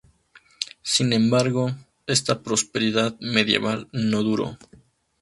Sin embargo, esta prosperidad medieval no duró.